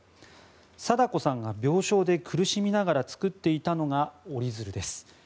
禎子さんが病床で苦しみながら作っていたのが折り鶴です。